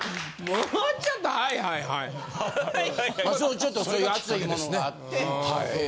ちょっとそういうあついものがあってええ。